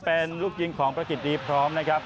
เป็นลูกยิงของประกิจดีพร้อมนะครับ